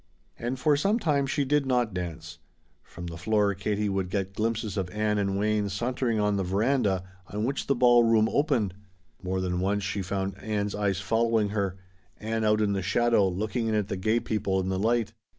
And for some time she did not dance. From the floor Katie Would get glimpses of Ann and Wayne sauntering on the veranda on which the ball room opened. More than once she found Ann's eyes following her Ann out in the shadow, looking in at the gay people in the light.